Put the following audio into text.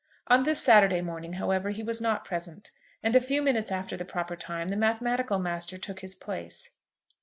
On this Saturday morning, however, he was not present; and a few minutes after the proper time, the mathematical master took his place.